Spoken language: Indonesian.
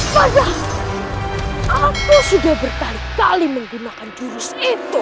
padahal aku sudah bertarik kali menggunakan jurus itu